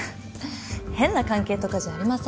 変な関係とかじゃありません。